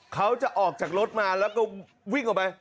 เขาจะออกจากรถมาแล้วก็วิ่งออกไป